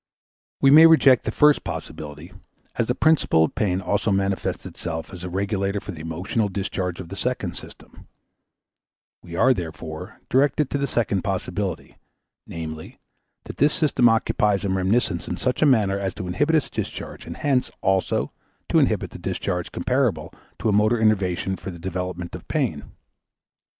We may reject the first possibility, as the principle of pain also manifests itself as a regulator for the emotional discharge of the second system; we are, therefore, directed to the second possibility, namely, that this system occupies a reminiscence in such a manner as to inhibit its discharge and hence, also, to inhibit the discharge comparable to a motor innervation for the development of pain.